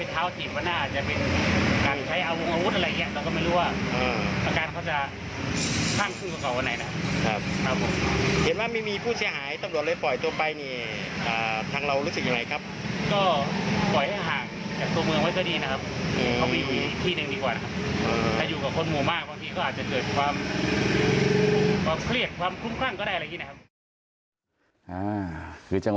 ทางเรารู้สึกอยู่ไหนครับก็ปล่อยให้ห่างจากตัวเมืองไว้ก็ดีนะครับ